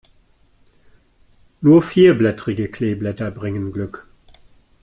Nur vierblättrige Kleeblätter bringen Glück.